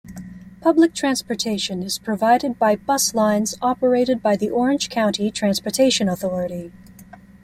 Public transportation is provided by bus lines operated by the Orange County Transportation Authority.